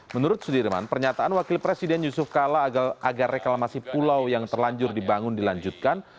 menurut sudirman pernyataan wakil presiden yusuf kala agar reklamasi pulau yang terlanjur dibangun dilanjutkan